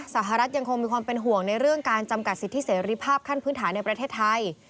สหรัฐยังคงมีความเป็นห่วงในเรื่องการจำกัดสิทธิเสรีภาพขั้นพื้นฐานในประเทศไทย